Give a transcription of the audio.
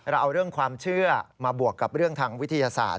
เราเอาเรื่องความเชื่อมาบวกกับเรื่องทางวิทยาศาสต